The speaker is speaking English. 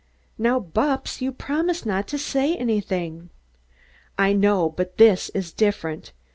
"Now, Bupps, you promised not to say anything." "I know but this is different.